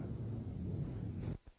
ada nggak salah